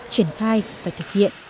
triển khai và thực hiện